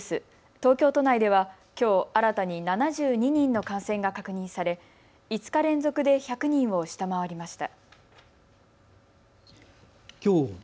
東京都内ではきょう新たに７２人の感染が確認され５日連続で１００人を下回りました。